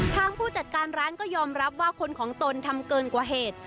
ผู้จัดการร้านก็ยอมรับว่าคนของตนทำเกินกว่าเหตุ